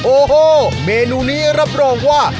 โอ้โหเมนูนี้รับรองว่า